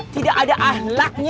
tidak ada ahlaknya